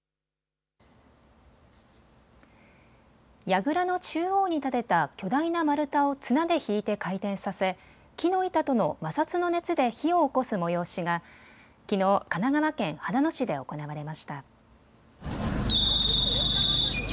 やぐらの中央に立てた巨大な丸太を綱で引いて回転させ木の板との摩擦の熱で火をおこす催しがきのう神奈川県秦野市で行われました。